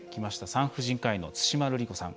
産婦人科医の対馬ルリ子さん。